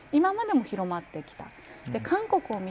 今までも広まってきた。